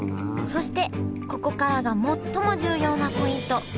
そしてここからが最も重要なポイント。